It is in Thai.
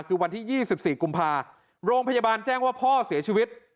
คือวันที่๒๔กุมภาโรงพยาบาลแจ้งว่าพ่อเสียชีวิต